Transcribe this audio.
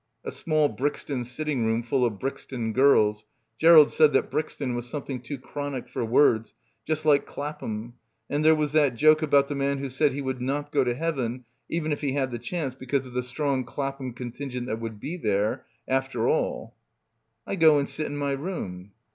A small Brixton sitting room full of Brixton girls — Gerald said that Brixton was something too chronic for words, just like Clap ham, and there was that joke about the man who said he would not go to heaven even if he had the chance because of the strong Clapham contingent that would be there — after all ... "I go and sit in my room."